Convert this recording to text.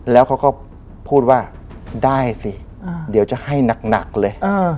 แล้วเขาก็พูดว่าได้สิเดี๋ยวจะให้หนักเลย